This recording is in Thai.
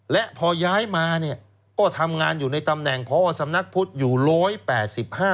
และพอย้ายมาก็ทำงานอยู่ในตำแหน่งพอสำนักพุทธศาสนา